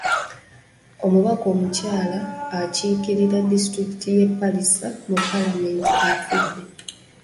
Omubaka omukyala akiiririra disitulikiti y'e Palisa mu Paalamenti afudde.